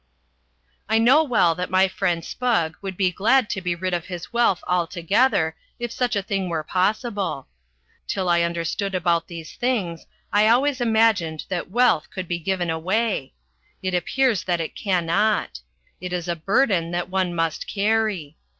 I know well that my friend Spugg would be glad to be rid of his wealth altogether, if such a thing were possible. Till I understood about these things, I always imagined that wealth could be given away. It appears that it cannot. It is a burden that one must carry.